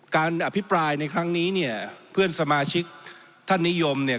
การอภิปรายในครั้งนี้เนี่ยเพื่อนสมาชิกท่านนิยมเนี่ย